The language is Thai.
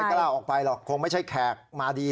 กล้าออกไปหรอกคงไม่ใช่แขกมาดี